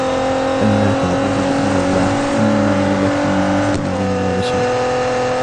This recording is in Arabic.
أَلَّا تَعْبُدُوا إِلَّا اللَّهَ إِنَّنِي لَكُمْ مِنْهُ نَذِيرٌ وَبَشِيرٌ